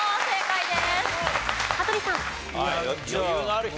正解です。